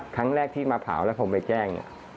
ครั้งแรกที่มาเผาแล้วผมไปแจ้ง